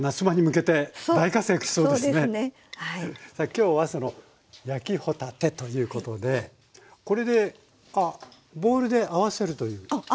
今日はその焼き帆立てということでこれであっボウルで合わせるということ？